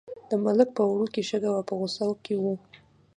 د ملک په وړو کې شګه وه په غوسه کې و.